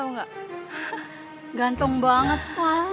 b manual banget yaa